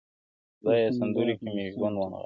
خدايه سندرو کي مي ژوند ونغاړه.